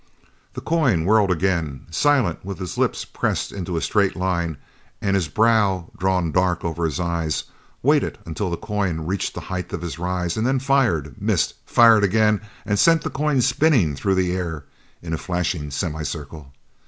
The coin whirled again. Silent, with his lips pressed into a straight line and his brows drawn dark over his eyes, waited until the coin reached the height of its rise, and then fired missed fired again, and sent the coin spinning through the air in a flashing semicircle.